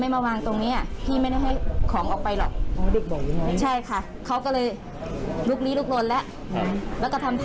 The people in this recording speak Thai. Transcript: มาวางตรงนี้พี่ไม่ได้ให้ของออกไปหรอก